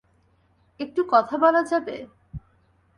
একটু কথা বলা যাবে?